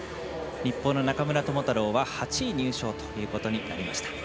日本の中村智太郎は８位入賞ということになりました。